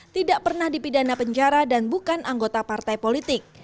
tidak pernah dipidana penjara dan bukan anggota partai politik